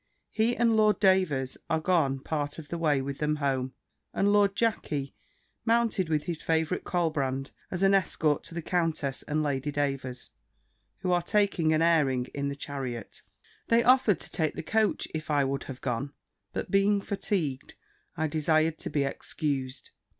He and Lord Davers are gone part of the way with them home; and Lord Jackey, mounted with his favourite Colbrand, as an escort to the countess and Lady Davers, who are taking an airing in the chariot. They offered to take the coach, if I would have gone; but being fatigued, I desired to be excused.